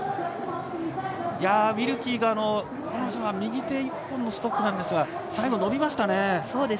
ウィルキーは右手一本のストックですが最後、伸びましたね。